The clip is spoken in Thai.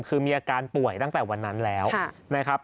คือมีอาการป่วยตั้งแต่วันนั้นแล้วนะครับ